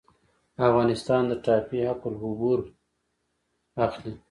افغانستان د ټاپي حق العبور اخلي